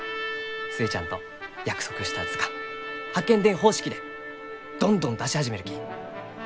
寿恵ちゃんと約束した図鑑八犬伝方式でどんどん出し始めるき。